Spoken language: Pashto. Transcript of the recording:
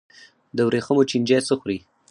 د ورېښمو چینجی څه خوري؟